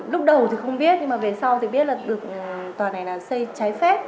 lúc đầu thì không biết nhưng mà về sau thì biết là được tòa này là xây trái phép